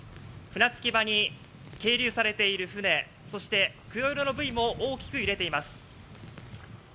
船着き場に係留されている船、そして黒色のブイも大きく揺れています。